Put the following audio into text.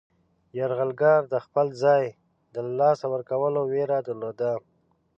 یرغلګر د خپل ځای د له لاسه ورکولو ویره درلوده.